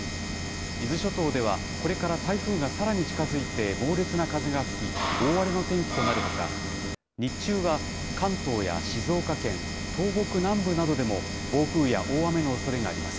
伊豆諸島ではこれから台風がさらに近づいて、猛烈な風が吹き、大荒れの天気となるほか、日中は関東や静岡県、東北南部などでも暴風や大雨のおそれがあります。